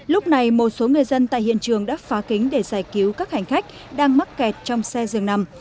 lúc này một số người dân tại hiện trường đã phá kính để giải cứu các hành khách đang mắc kẹt trong xe dường nằm